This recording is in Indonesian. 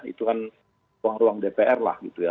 itu kan ruang ruang dpr lah gitu ya